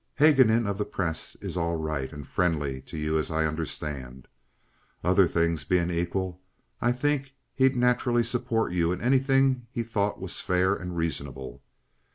Haguenin, of the Press, is all right and friendly to you, as I understand. Other things being equal, I think he'd naturally support you in anything he thought was fair and reasonable.